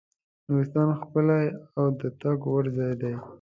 نورستان ښکلی او د تګ وړ ځای دی.